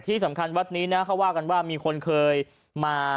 ที่สำคัญวัดนี้นะเขาว่ากันว่ามีคนเคยมา